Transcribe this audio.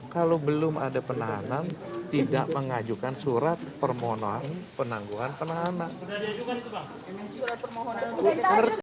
kalau belum ada penahanan tidak mengajukan surat permohonan penangguhan penahanan